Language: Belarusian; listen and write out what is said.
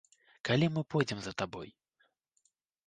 Калі мы пойдзем за табой?